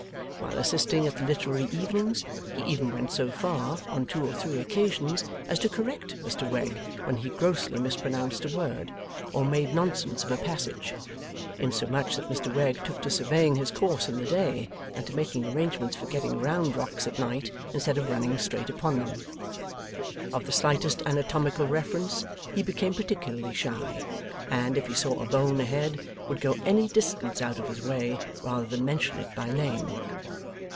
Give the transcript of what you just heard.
While assisting at the literary evenings, he even went so far, on two or three occasions, as to correct Mr Wegg when he grossly mispronounced a word, or made nonsense of a passage; insomuch that Mr Wegg took to surveying his course in the day, and to making arrangements for getting round rocks at night instead of running straight upon them. Of the slightest anatomical reference he became particularly shy, and, if he saw a bone ahead, would go any distance out of his way rather than mention it by name.